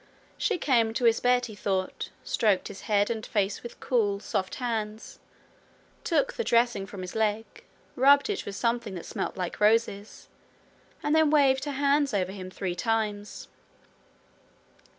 She came to his bed, he thought, stroked his head and face with cool, soft hands, took the dressing from his leg, rubbed it with something that smelt like roses, and then waved her hands over him three times.